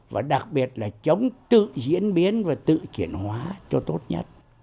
và đặc biệt là chống tự diễn biến và tự chuyển hóa cho tốt nhất